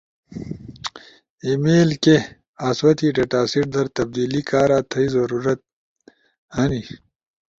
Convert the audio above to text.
ای میل کے؟ آسو تی ڈیٹاسیٹ در تبدیلی کارا تھئی ضرورت اینی،